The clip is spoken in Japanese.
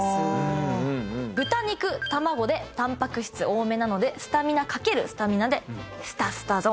豚肉卵でたんぱく質多めなのでスタミナ×スタミナでスタスタ丼。